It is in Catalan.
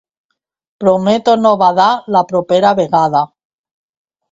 Prometo no badar la propera vegada.